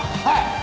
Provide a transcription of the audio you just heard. はい！